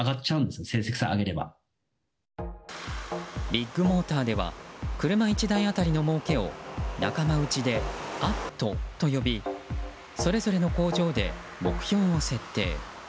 ビッグモーターでは車１台当たりのもうけを仲間内でアットと呼びそれぞれの工場で目標を設定。